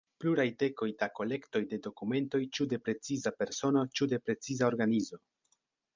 Pluraj dekoj da kolektoj de dokumentoj ĉu de preciza persono ĉu de preciza organizo.